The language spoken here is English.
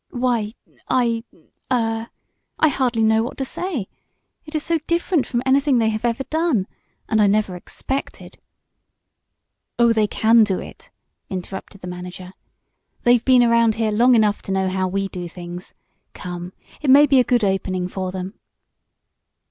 "Why, I er I hardly know what to say. It is so different from anything they have ever done. And I never expected " "Oh, they can do it!" interrupted the manager. "They've been around here long enough to know how we do things. Come, it may be a good opening for them."